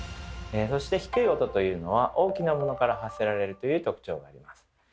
そして低い音というのは大きなものから発せられるという特徴があります。